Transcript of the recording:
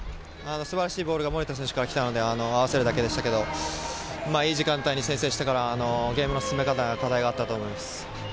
素晴らしいボールが守田選手から来たので合わせるだけでしたけど、いい時間に先制して、ゲームの進め方は課題があったと思います。